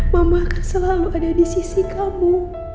mama akan selalu ada disisi kamu